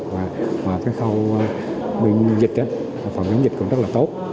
và cái khâu bệnh dịch phần bệnh dịch cũng rất là tốt